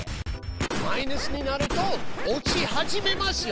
マイナスになると落ち始めますよ。